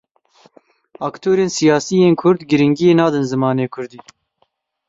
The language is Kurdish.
Aktorên siyasî yên kurd, giringiyê nadin zimanê kurdî.